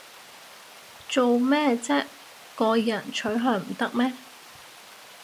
做咩唧個人取向唔得咩